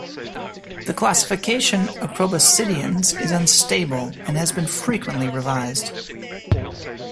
The classification of proboscideans is unstable and has been frequently revised.